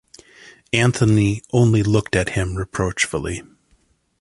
Anthony only looked at him reproachfully.